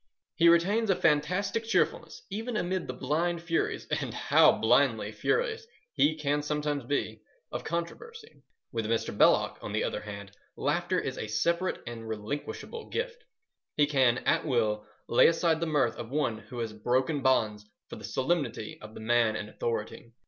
He retains a fantastic cheerfulness even amid the blind furies—and how blindly furious he can sometimes be!—of controversy. With Mr. Belloc, on the other hand, laughter is a separate and relinquishable gift. He can at will lay aside the mirth of one who has broken bounds for the solemnity of the man in authority.